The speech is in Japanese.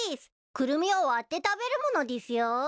クルミは割って食べるものでぃすよ。